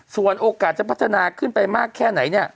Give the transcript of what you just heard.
ส่วนโอกาสจะพัฒนาขึ้นไปมากแค่ไหนเนี่ย